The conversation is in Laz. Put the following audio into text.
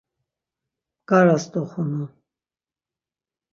Bgaras doxunu.